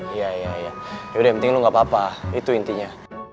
iya iya yaudah yang penting lu gak apa apa itu intinya